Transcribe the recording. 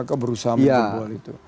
mereka berusaha menjebol itu